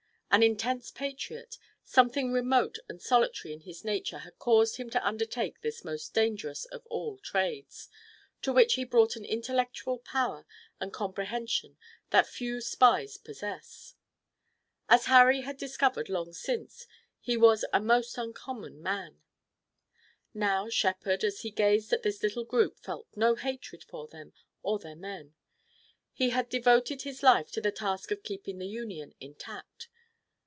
An intense patriot, something remote and solitary in his nature had caused him to undertake this most dangerous of all trades, to which he brought an intellectual power and comprehension that few spies possess. As Harry had discovered long since, he was a most uncommon man. Now Shepard as he gazed at this little group felt no hatred for them or their men. He had devoted his life to the task of keeping the Union intact.